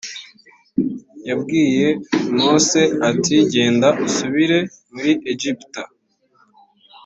yabwiye mose ati genda usubire muri egiputa.